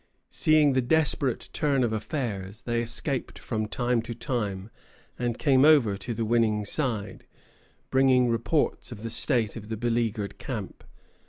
Seeing the desperate turn of affairs, they escaped from time to time and came over to the winning side, bringing reports of the state of the beleaguered camp.